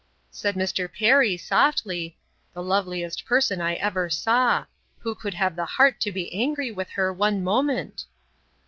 said Mr. Perry, softly, The loveliest person I ever saw! Who could have the heart to be angry with her one moment?